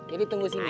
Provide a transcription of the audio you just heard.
jadi tunggu sini ya